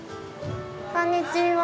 こんにちは。